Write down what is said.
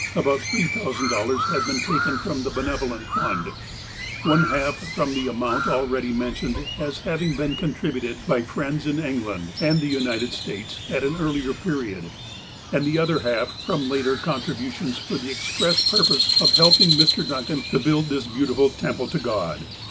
About $3, 000 had been taken from the Benevolent Fund, one half from the amount already mentioned as having been contributed by friends in England and the United States at an earlier period, and the other half from later contributions for the express purpose of helping Mr. Duncan to build this beautiful temple to God.